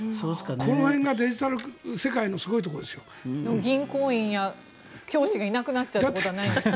この辺がデジタル世界の銀行員や教師がいなくなっちゃうということはないんですか？